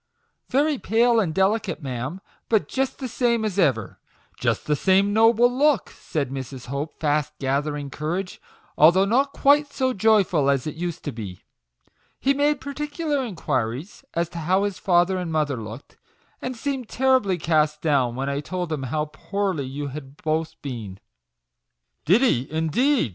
" Very pale and delicate, ma'am ; but just the same as ever just the same noble look," said Mrs. Hope, fast gathering courage, " although not quite so joyful like as it used to be. He made particular inquiries as to how his father and mother looked, and seemed terribly cast 38 MAGIC WORDS. down when I told him how poorly you had both been." " Did he, indeed